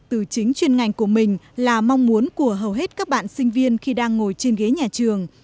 từ chính chuyên ngành của mình là mong muốn của hầu hết các bạn sinh viên khi đang ngồi trên ghế nhà trường